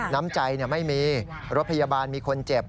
น้ำใจไม่มีรถพยาบาลมีคนเจ็บ